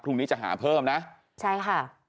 พรุ่งนี้จะหาเพิ่มนะใช่ค่ะ